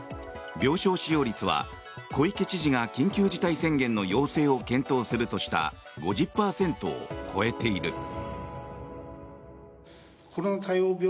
病床使用率は小池知事が緊急事態宣言の要請を検討するとした５０％を超えている。